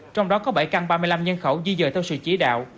trong đó có bảy căn ba mươi năm nhân khẩu di dời theo sự chỉ đạo